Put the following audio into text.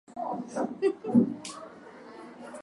maandamano hayo ambayo wameigwa kutoka kuisha